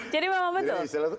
jadi bang mbak betul